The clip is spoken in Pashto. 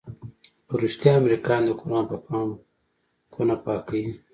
په رښتيا امريکايان د قران په پاڼو كونه پاكيي؟